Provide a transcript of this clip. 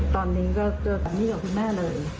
ตอนนี้ก็เจอแต่นี่กับคุณแม่เลย